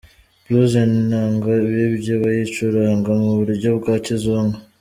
Blues ni inanga bibye bayicuranga mu buryo bwa kizungu.